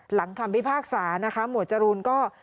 คำพิพากษานะคะหมวดจรูนก็